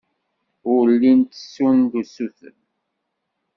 Ur llin ttessun-d usuten.